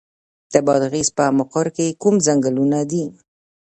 د بادغیس په مقر کې کوم ځنګلونه دي؟